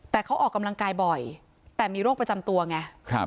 แต่เขาออกกำลังกายบ่อยแต่มีโรคประจำตัวไง